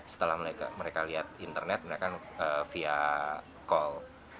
setelah mereka lihat internet mereka via call